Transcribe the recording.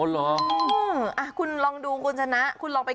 แม่ไม่ปลืมนะคะ